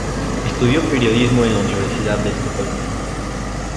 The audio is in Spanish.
Estudió periodismo en la Universidad de Estocolmo.